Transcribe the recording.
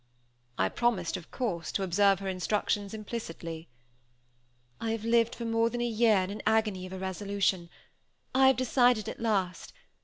I promised, of course, to observe her instructions implicitly. "I have lived for more than a year in an agony of irresolution. I have decided at last.